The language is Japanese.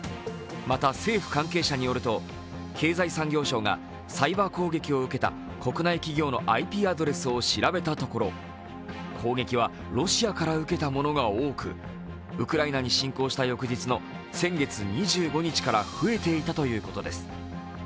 また、政府関係者によると経済産業省がサイバー攻撃を受けた国内企業のＩＰアドレスを調べたところ攻撃はロシアから受けたものが多くウクライナに侵攻した翌日の先月２５日から増えていたということです。